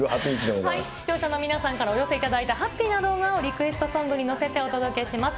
視聴者の皆さんから寄せられたハッピーな動画をリクエストソングに乗せてお届けします。